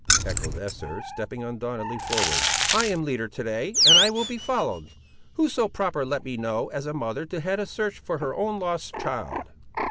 echoed Esther, stepping undauntedly forward. "I am leader to day, and I will be followed. Who so proper, let me know, as a mother, to head a search for her own lost child?"